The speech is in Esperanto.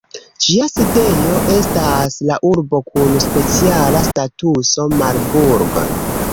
Ĝia sidejo estas la urbo kun speciala statuso Marburg.